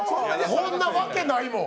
こんなわけないもん。